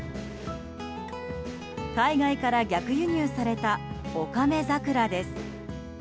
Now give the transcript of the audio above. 海外から逆輸入されたオカメザクラです。